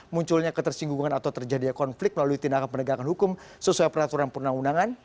munculnya ketersinggungan atau terjadinya konflik melalui tindakan penegakan hukum sesuai peraturan perundang undangan